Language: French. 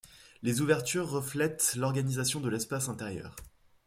Les ouvertures reflètent l'organisation de l'espace intérieur.